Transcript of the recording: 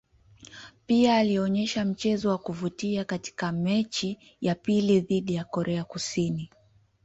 Pia alionyesha mchezo wa kuvutia katika mechi ya pili dhidi ya Korea Kusini.